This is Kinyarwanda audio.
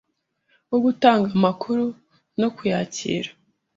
wo gutanga amakuru no kuyakira